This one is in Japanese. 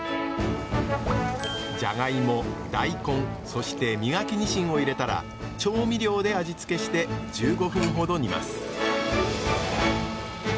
じゃがいも大根そして身欠きにしんを入れたら調味料で味付けして１５分ほど煮ます。